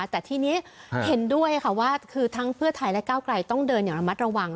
แต่ทีนี้เห็นด้วยค่ะว่าคือทั้งเพื่อไทยและก้าวไกลต้องเดินอย่างระมัดระวัง